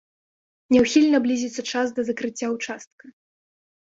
Няўхільна блізіцца час да закрыцця ўчастка.